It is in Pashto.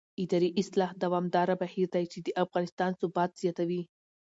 اداري اصلاح دوامداره بهیر دی چې د افغانستان ثبات زیاتوي